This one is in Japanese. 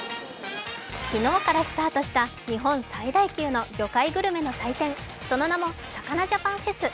昨日からスタートした日本最大級の魚介グルメの祭典、その名も魚ジャパンフェス。